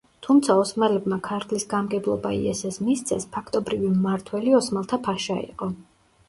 თუმცა ოსმალებმა ქართლის გამგებლობა იესეს მისცეს, ფაქტობრივი მმართველი ოსმალთა ფაშა იყო.